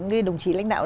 những đồng chí lãnh đạo